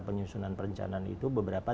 penyusunan perencanaan itu beberapa